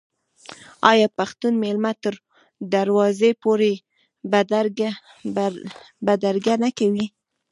آیا پښتون میلمه تر دروازې پورې بدرګه نه کوي؟